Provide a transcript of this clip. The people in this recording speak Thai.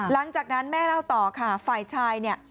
หลังจากนั้นแม่เล่าต่อค่ะฝ่ายชายเนี่ย